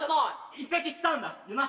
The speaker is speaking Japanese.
移籍したんだ！な？